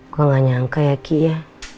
gue enggak nyangka ya ki ya